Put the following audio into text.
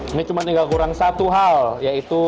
ini cuma tinggal kurang satu hal yaitu